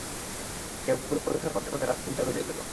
টেপগুলো পরীক্ষা করতে-করতে রাত তিনটা বেজে গেল।